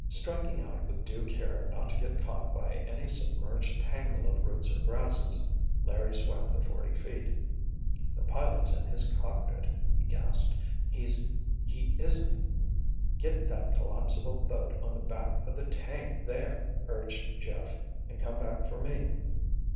Striking out with due care not to get caught by any submerged tangle of roots or grasses, Larry swam the forty feet. "The pilot's in his cockpit—" he gasped. "He's—he isn't——" "Get that collapsible boat on the back of the tank, there!" urged Jeff, "and come back for me."